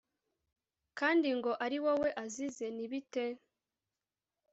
kandi ngo ari wowe azize, ni bite?»